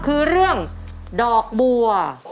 คือเรื่องดอกบัว